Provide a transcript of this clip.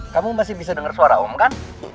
kamu masih bisa dengar suara om kan